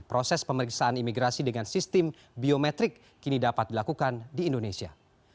proses pemeriksaan imigrasi dengan sistem biometrik kini dapat dilakukan di indonesia